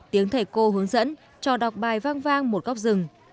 tiếng thầy cô hướng dẫn cho đọc bài vang một góc rừng